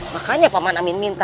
makanya paman amin minta